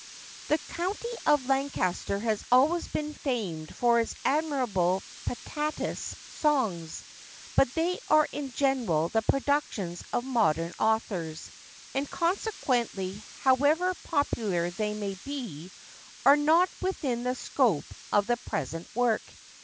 [THE county of Lancaster has always been famed for its admirable patois songs; but they are in general the productions of modern authors, and consequently, however popular they may be, are not within the scope of the present work.